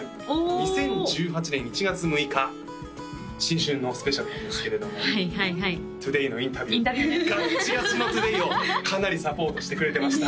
２０１８年１月６日新春のスペシャルなんですけれどもはいはいはいトゥデイのインタビューガッチガチのトゥデイをかなりサポートしてくれてました